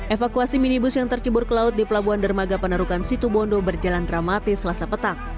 evakuasi minibus yang tercebur ke laut di pelabuhan dermaga penarukan situbondo berjalan dramatis selasa petang